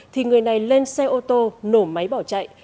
thì người này lên xe ô tô nổ máy bỏ chạy